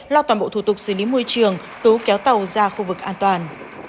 lo toàn bộ thủ tục xử lý môi trường cứu kéo tàu ra khu vực an toàn